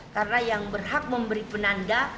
karena yang berhak memberi penanda